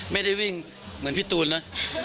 ไม่ได้วิ่งเหมือนพี่ตูนเลย